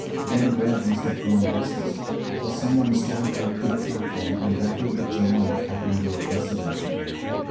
Then Red must have grown restless, for someone stamped up to the platform and rattled the chain on the cabin door aggressively.